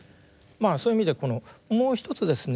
そういう意味でもう一つですね